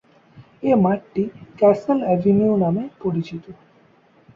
এ মাঠটি Castle Avenue নামে পরিচিত।